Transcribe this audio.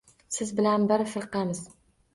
Siz bilan biz firqamiz.